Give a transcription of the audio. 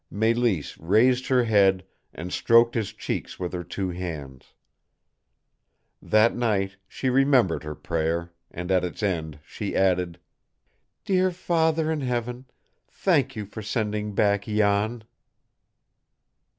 Mélisse raised her head, and stroked his cheeks with her two hands. That night she remembered her prayer, and at its end she added: "Dear Father in Heaven, thank you for sending back Jan!"